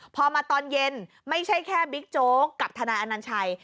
พอมาตอนเย็นไม่ใช่แค่บิ๊กโจ๊กกับทนายอนัญชัย